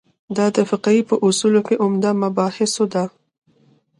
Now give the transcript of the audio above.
دا د فقهې په اصولو کې عمده مباحثو ده.